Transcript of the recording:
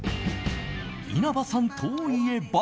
稲葉さんといえば。